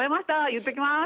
言っときます。